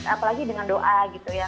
apalagi dengan doa gitu ya